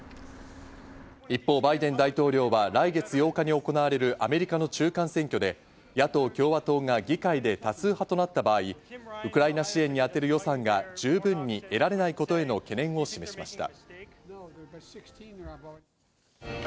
一方、バイデン大統領は来月８日に行われるアメリカの中間選挙で野党・共和党が議会で多数派となった場合、ウクライナ支援に充てる予算が十分に得られないことへの懸念を示しました。